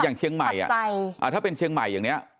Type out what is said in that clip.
อย่างเชียงใหม่ถ้าเป็นเชียงใหม่อย่างนี้